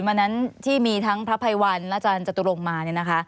วันนั้นที่มีทั้งพระไพวรรณอาจารย์จตุรกมา